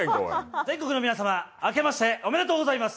全国の皆様、明けましておめでとうございます。